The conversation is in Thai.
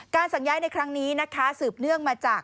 สั่งย้ายในครั้งนี้นะคะสืบเนื่องมาจาก